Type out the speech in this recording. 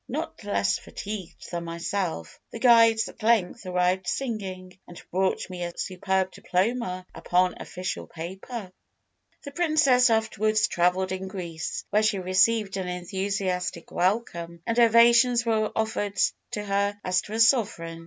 Not less fatigued than myself, the guides at length arrived singing, and brought me a superb diploma upon official paper." The princess afterwards travelled in Greece, where she received an enthusiastic welcome, and ovations were offered to her as to a sovereign.